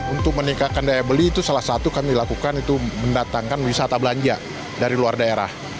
untuk meningkatkan daya beli itu salah satu kami lakukan itu mendatangkan wisata belanja dari luar daerah